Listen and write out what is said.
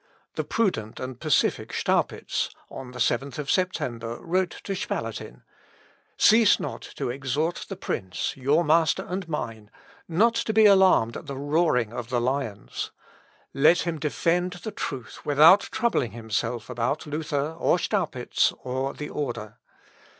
The prudent and pacific Staupitz, on the 7th September, wrote to Spalatin: "Cease not to exhort the prince, your master and mine, not to be alarmed at the roaring of the lions. Let him defend the truth without troubling himself about Luther, or Staupitz, or the order.